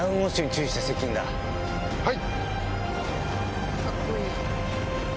はい。